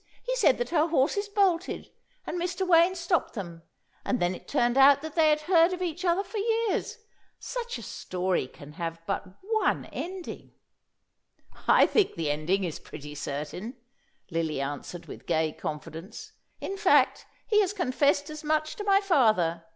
He said that her horses bolted, and Mr. Wayne stopped them, and then it turned out that they had heard of each other for years. Such a story can have but one ending." "I think the ending is pretty certain," Lily answered with gay confidence. "In fact, he has confessed as much to my father.